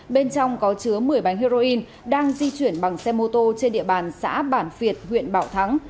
bên trong có chứa một mươi bánh heroin đang di chuyển bằng xe mô tô trên địa bàn xã bản việt huyện bảo thắng